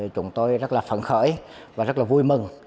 chúng tôi rất là phấn khởi và rất là vui mừng